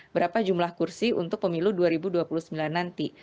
berapa jumlah kursi untuk pemilu dua ribu dua puluh sembilan nanti